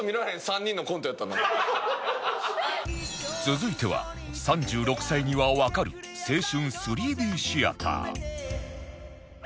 続いては３６歳にはわかる青春 ３Ｄ シアター